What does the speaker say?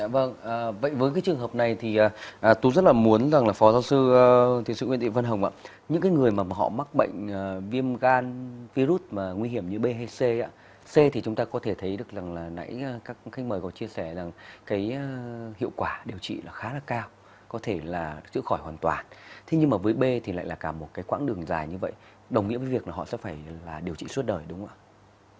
vâng vậy với cái trường hợp này thì tú rất là muốn rằng là phó giáo sư thiên sư nguyễn thị vân hồng ạ những cái người mà họ mắc bệnh viêm gan virus mà nguy hiểm như b hay c ạ c thì chúng ta có thể thấy được rằng là nãy các khách mời có chia sẻ rằng cái hiệu quả điều trị là khá là cao có thể là chữa khỏi hoàn toàn thế nhưng mà với b thì lại là cả một cái quãng đường dài như vậy đồng nghĩa với việc là họ sẽ phải là điều trị suốt đời đúng không ạ